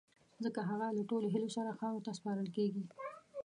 ځڪه هغه له ټولو هیلو سره خاورو ته سپارل کیږی